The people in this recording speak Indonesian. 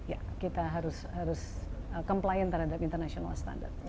ya kita harus complian terhadap international standard